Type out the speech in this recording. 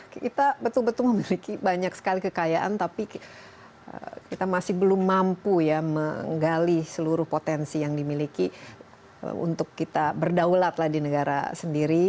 kita betul betul memiliki banyak sekali kekayaan tapi kita masih belum mampu ya menggali seluruh potensi yang dimiliki untuk kita berdaulat lah di negara sendiri